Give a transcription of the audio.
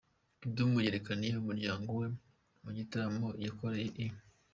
Kidum yerekaniye umuryango we mu gitaramo yakoreye i.